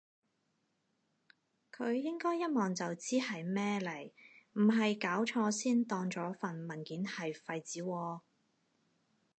佢應該一望就知係咩嚟，唔係搞錯先當咗份文件係廢紙喎？